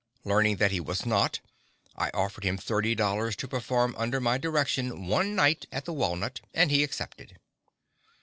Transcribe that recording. Learning that he was not, I offered him thirty dollars to perform under my direction one night at the Walnut, and he accepted.